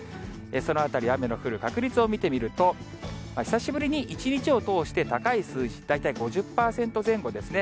そのあたり、雨の降る確率を見てみると、久しぶりに一日を通して高い数字、大体５０％前後ですね。